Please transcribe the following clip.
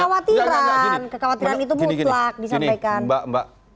kekhawatiran itu mutlak disampaikan